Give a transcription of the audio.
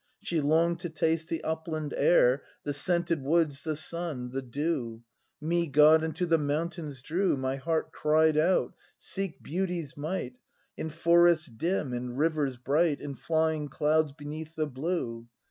She longed to taste the upland air. The scented woods, the sun, the dew; M e God unto the mountains drew, — My heart cried out: Seek Beauty's might In forests dim and rivers bright And flying clouds beneath the blue.